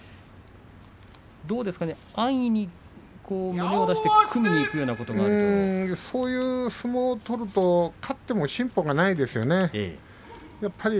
安易に胸を出して組みにいくようなことそういう相撲を取ると勝っても進歩がないですよね。